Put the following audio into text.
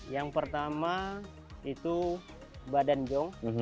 yang pertama itu badan jong